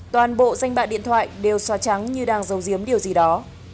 toàn bộ danh bạ điện thoại đều xóa trắng như đang dầu diếm điều gì đó